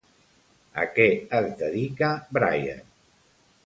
A què es dedica Brian?